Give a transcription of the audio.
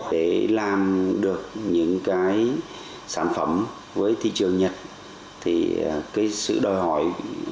để làm được những cái sản phẩm với thị trường nhật thì cái sự đòi hỏi